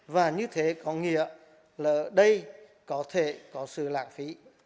và như thế có nghĩa là đây có thể có sự lãng phí